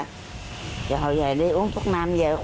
hồi kia ổng cũng phải làm phước lại nữa ổng có làm phước lại luôn